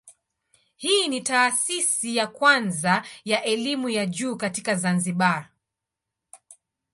Hii ni taasisi ya kwanza ya elimu ya juu katika Zanzibar.